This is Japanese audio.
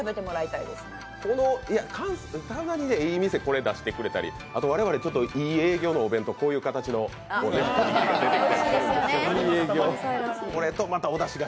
たまにええ店で出してくれたりあと、我々ちょっといい営業のお弁当、こういう形のおにぎりが。